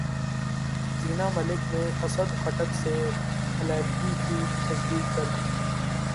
وینا ملک نے اسد خٹک سے علیحدگی کی تصدیق کردی